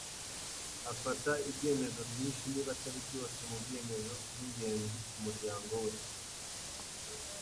Afata ibyemezo byinshi, niba atari byose, mubyemezo byingenzi kumuryango we.